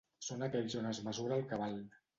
Són aquells on es mesura el cabal.